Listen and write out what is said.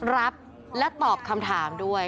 รับและตอบคำถามด้วย